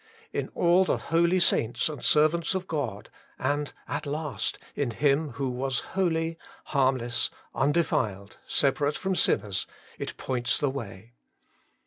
In all the holy saints and servants of God, and at last in Him who was holy, harmless, undefiled, separate from sinners, it points the way.